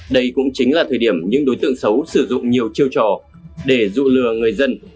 đây cũng chính là thời điểm những đối tượng xấu sử dụng nhiều chiêu trò để dụ lừa người dân